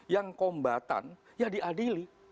yang kombatan ya diadili